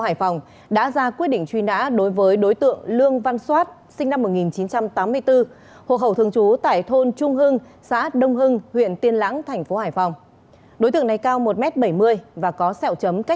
hãy đăng ký kênh để ủng hộ kênh của chúng mình nhé